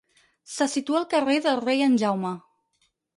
Se situa al carrer del Rei en Jaume.